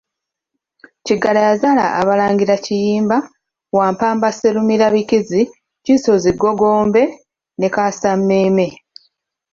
Kiggala yazaala Abalangira Kiyimba, Wampamba Sserumirabikizi, Kisozi, Googombe ne Kaasammeeme.